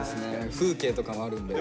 風景とかもあるんで。